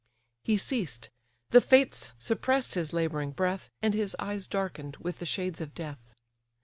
He ceased; the Fates suppress'd his labouring breath, And his eyes darken'd with the shades of death.